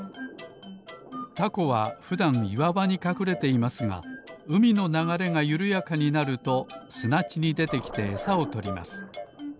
タコはふだんいわばにかくれていますがうみのながれがゆるやかになるとすなちにでてきてえさをとります。